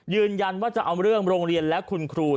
ยืนยันว่าจะเอาเรื่องโรงเรียนและคุณครู